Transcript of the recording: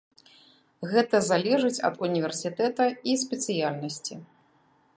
Гэта залежыць ад універсітэта і спецыяльнасці.